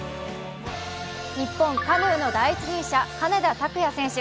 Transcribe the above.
日本、カヌーの第一人者、羽根田卓也選手。